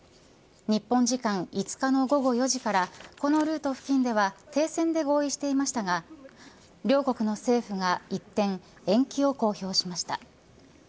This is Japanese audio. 日本時間５日の午後４時からこのルート付近では停戦で合意していましたが両国の政府が一転延期を公表しました。